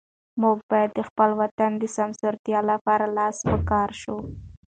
موږ باید د خپل وطن د سمسورتیا لپاره لاس په کار شو.